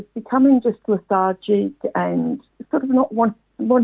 saya menjadi secara secara lethargi